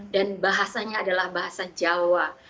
dan bahasanya adalah bahasa jawa